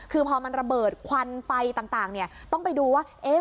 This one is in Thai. คือพอมันระเบิดควันไฟต่างต้องไปดูว่า